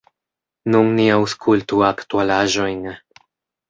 Nun ni aŭskultu aktualaĵojn.